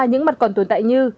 những mặt còn tồn tại như